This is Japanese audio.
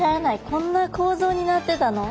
こんな構造になってたの？